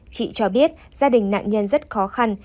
chị cho biết gia đình nạn nhân rất khó khăn